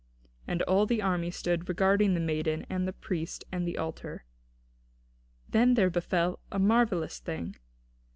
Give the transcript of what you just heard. And all the army stood regarding the maiden and the priest and the altar. Then there befell a marvellous thing.